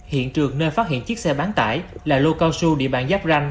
hiện trường nơi phát hiện chiếc xe bán tải là lô cao su địa bàn giáp ranh